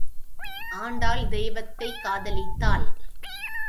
ஆண்டாள் தெய்வத்தைக் காதலித்தாள்.